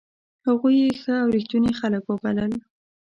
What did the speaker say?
هغوی یې ښه او ریښتوني خلک وبلل.